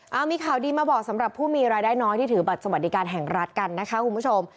เอามีข่าวดีมาบอกสำหรับผู้มีรายได้น้อยที่ถือบัตรสวัสดิการแห่งรัฐกันนะคะคุณผู้ชม